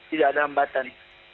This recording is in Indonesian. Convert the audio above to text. tidak ada hambatan